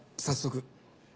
早速。